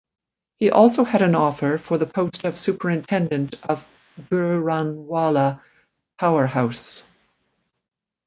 He also had an offer for the post of superintendent of Gujranwala Power House.